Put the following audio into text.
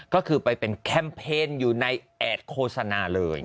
ก็คือไปเป็นแคมเพนอยู่ในแอดโฆษณาเลย